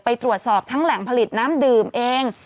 ไปตรวจสอบทั้งแหล่งผลิตน้ำดื่มเอง